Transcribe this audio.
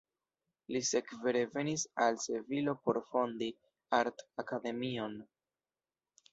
Li sekve revenis al Sevilo por fondi art-akademion.